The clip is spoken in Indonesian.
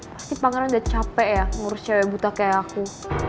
pasti pangeran udah capek ya ngurus cahaya buta kayak aku